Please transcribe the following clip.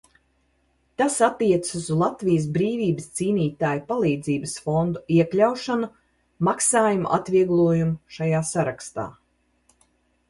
Tas attiecas uz Latvijas brīvības cīnītāju palīdzības fonda iekļaušanu maksājumu atvieglojumu šajā sarakstā.